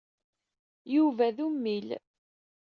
Yuba d ummil.